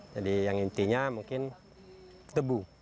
jadi yang intinya mungkin tebu